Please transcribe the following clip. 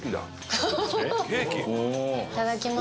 いただきます。